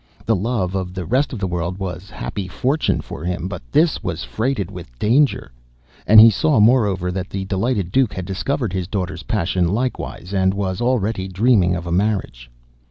The love of, the rest of the world was happy fortune for him, but this was freighted with danger! And he saw, moreover, that the delighted Duke had discovered his daughter's passion likewise, and was already dreaming of a marriage.